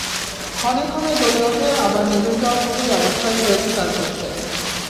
ক্ষণে ক্ষণে জ্বলে ওঠে আবার নিভে যাওয়ার মতো অবস্থাই হয়েছে তাঁর ক্ষেত্রে।